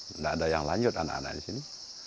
tidak ada yang lanjut anak anak di sini